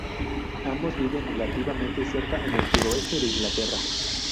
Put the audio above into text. Ambos viven relativamente cerca en el suroeste de Inglaterra.